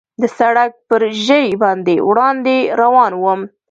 د سړک پر ژۍ باندې وړاندې روان ووم.